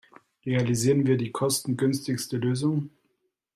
Realisieren wir die kostengünstigste Lösung?